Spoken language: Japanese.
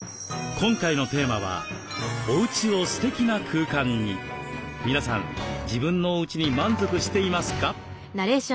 今回のテーマは皆さん自分のおうちに満足していますか？